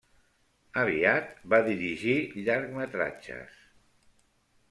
Aviat va dirigir llargmetratges.